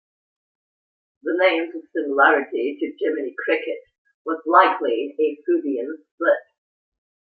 The name's similarity to Jiminy Cricket was likely a Freudian slip.